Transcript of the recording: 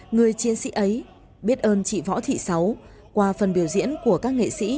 người chiến sĩ ấy biết ơn chị võ thị sáu qua phần biểu diễn của các nghệ sĩ